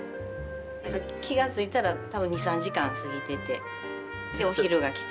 気が付いたら多分２３時間過ぎててでお昼が来てみたいな。